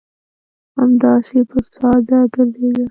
همداسې به ساده ګرځېده.